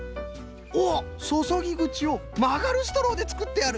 おっそそぎぐちをまがるストローでつくってある！